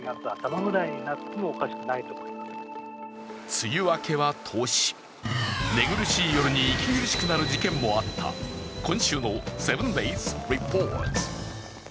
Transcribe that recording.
梅雨明けは遠し、寝苦しい夜に息苦しくなる事件もあった今週の「７ｄａｙｓリポート」。